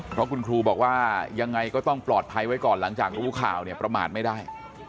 เพราะคุณครูบอกว่ายังไงก็ต้องปลอดภัยไว้ก่อนหลังจากรู้ข่าวเนี่ยประมาทไม่ได้